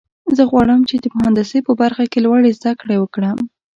زه غواړم چې د مهندسۍ په برخه کې لوړې زده کړې وکړم